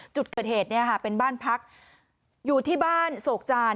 จุดเกิดเหตุเป็นบ้านพักอยู่ที่บ้านโศกจาน